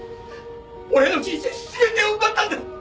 俺の人生全てを奪ったんだ！